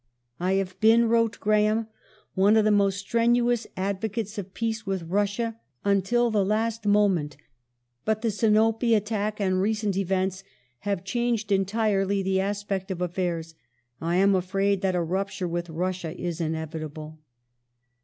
" I have been," wrote Graham, " one of the most strenuous advocates of peace with Russia until the last moment ; but the Sinope attack and recent events have changed entirely the aspect of affairs. I am afraid that a rupture with Russia is inevitable."